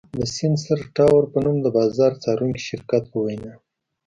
د سېنسر ټاور په نوم د بازار څارونکي شرکت په وینا